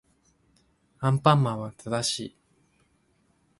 アンパンマンは正しい